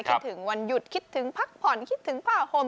จนถึงวันหยุดคิดถึงพักผ่อนคิดถึงผ้าห่ม